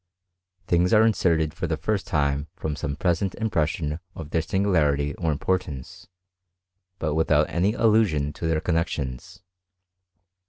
Things are inserted for the first time from some present im pression of their singularity or importance, but with out any allusion to their connexions.